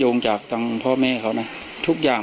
ถ้าใครอยากรู้ว่าลุงพลมีโปรแกรมทำอะไรที่ไหนยังไง